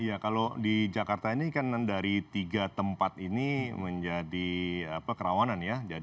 iya kalau di jakarta ini kan dari tiga tempat ini menjadi kerawanan ya